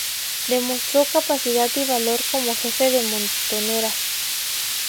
Demostró capacidad y valor como jefe de montoneras.